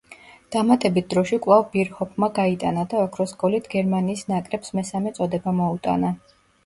დამატებით დროში კვლავ ბირჰოფმა გაიტანა და ოქროს გოლით გერმანიის ნაკრებს მესამე წოდება მოუტანა.